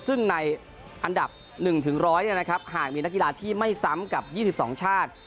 ซึ่งในอันดับ๑๑๐๐หากมีนักกีฬาที่ไม่ซ้ำกับ๒๒ชาติ